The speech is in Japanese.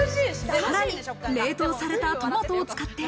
さらに冷凍されたトマトを使って。